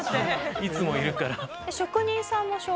いつもいるから。